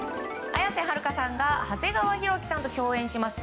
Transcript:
綾瀬はるかさんが長谷川博己さんと共演します